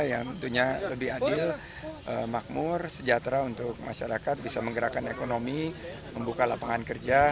yang tentunya lebih adil makmur sejahtera untuk masyarakat bisa menggerakkan ekonomi membuka lapangan kerja